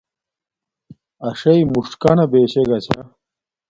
اݽݵ موݽکانہ بشے گا چھا